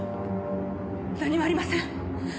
何もありません。